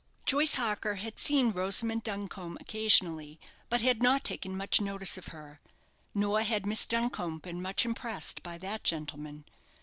Joyce Harker had seen Rosamond Duncombe occasionally, but had not taken much notice of her. Nor had Miss Duncombe been much impressed by that gentleman.